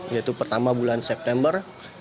yaitu pertama bulan september